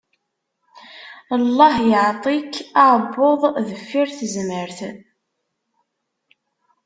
Lleh yeɛṭi-k aɛebbuḍ deffir tezmert!